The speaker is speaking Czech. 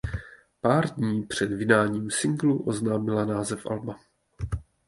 Pár dní před vydáním singlu oznámila název alba.